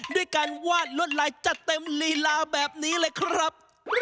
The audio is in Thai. ด้วยการวาดลวดลายจัดเต็มลีลาแบบนี้เลยครับ